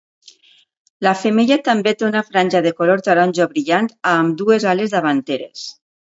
La femella també té una franja de color taronja brillant a ambdues ales davanteres.